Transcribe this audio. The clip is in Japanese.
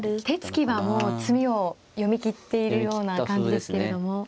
手つきはもう詰みを読み切っているような感じですけれども。